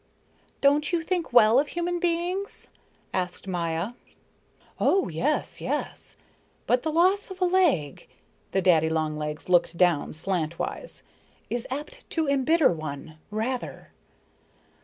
"Don't you think well of human beings?" asked Maya. "Oh, yes, yes. But the loss of a leg" the daddy long legs looked down slantwise "is apt to embitter one, rather."